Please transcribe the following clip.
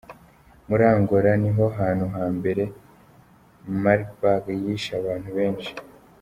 Muri Angola niho hantu hambere Marburg yishe abantu benshi.